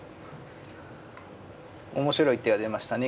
面白い手が出ましたね。